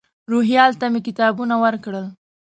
روهیال ته مې کتابونه ورکړل.